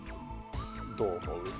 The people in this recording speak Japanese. どう思う？